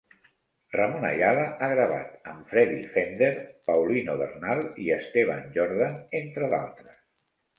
Ramon Ayala ha gravat amb Freddy Fender, Paulino Bernal i Esteban Jordan, entre d'altres.